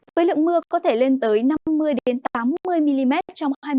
với lượng mưa có thể lên tới năm mươi tám mươi mm trong hai mươi bốn h